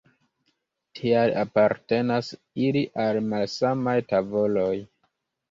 Tial apartenas ili al malsamaj tavoloj.